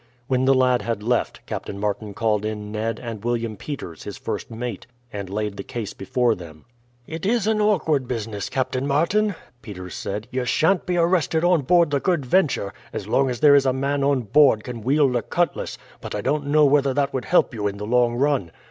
When the lad had left, Captain Martin called in Ned and William Peters, his first mate, and laid the case before them. "It is an awkward business, Captain Martin," Peters said. "You sha'n't be arrested on board the Good Venture, as long as there is a man on board can wield a cutlass; but I don't know whether that would help you in the long run.